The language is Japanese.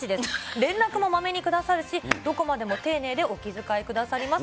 連絡もまめにくださるし、どこまでも丁寧でお気遣いくださります。